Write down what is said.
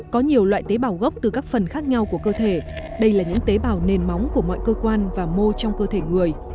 có nhiều loại tế bào gốc từ các phần khác nhau của cơ thể đây là những tế bào nền móng của mọi cơ quan và mô trong cơ thể người